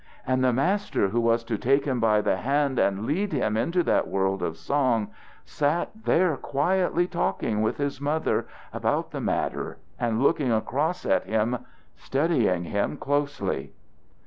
And the master who was to take him by the hand and lead him into that world of song sat there quietly talking with his mother about the matter and looking across at him, studying him closely.